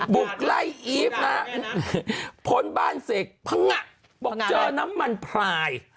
ปลูกไล่อีฟครับพ้นบ้านเสกพึ้งบอกเจอน้ำมันพลาย